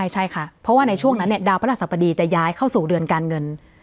ใช่ค่ะเพราะว่าในช่วงนั้นดาวพระราชสัปดีจะย้ายเข้าสู่เดือนการเงิน